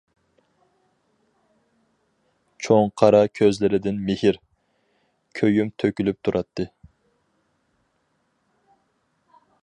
چوڭ قارا كۆزلىرىدىن مېھىر، كۆيۈم تۆكۈلۈپ تۇراتتى.